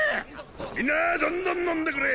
みんなどんどん飲んでくれ。